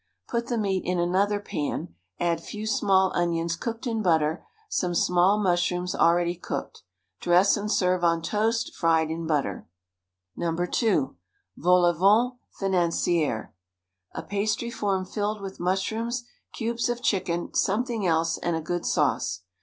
Put the meat in another pan, add few small onions cooked in butter, some small mushrooms already cooked. Dress and serve on toast fried in butter. No. 2 — ^Vol au Vent Financiere — a pastry form filled with mushrooms, cubes of chicken, something else, and a good sauce.